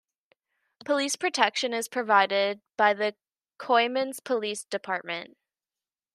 Police protection is provided by the Coeymans Police Department.